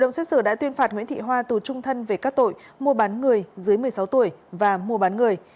động xét xử đã tuyên phạt nguyễn thị hoa tù trung thân về các tội mua bán người dưới một mươi sáu tuổi và mua bán người